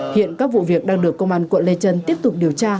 hiện các vụ việc đang được công an quận lê trân tiếp tục điều tra